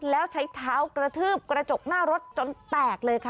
แล้วใช้เท้ากระทืบกระจกหน้ารถจนแตกเลยค่ะ